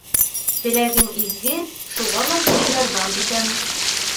Теләгең изге, шуға ла һиңә ярҙам итәм.